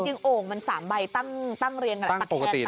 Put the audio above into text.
จริงโอ่งมันสามใบตั้งเรียนตั้งตักแทง